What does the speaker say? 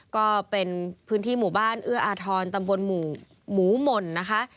ก็เป็นพื้นที่หมู่บ้านเอื้ออาทรตำบลหมูหม่นนะคะ